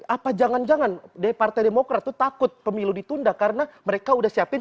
apa jangan jangan dari partai demokrat itu takut pemilu ditunda karena mereka udah siapin